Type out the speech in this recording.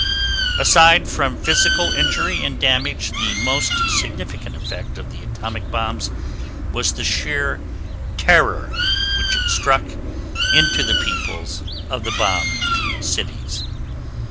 Aside from physical injury and damage, the most significant effect of the atomic bombs was the sheer terror which it struck into the peoples of the bombed cities.